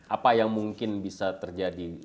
apa yang mungkin bisa terjadi